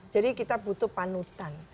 jadi kita butuh panutan